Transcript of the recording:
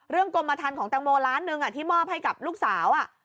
เรื่องกลมทันของตังโมล้านนึงอ่ะที่มอบให้กับลูกสาวอ่ะ